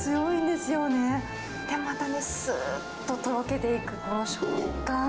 で、またね、すーっととろけていくこの食感。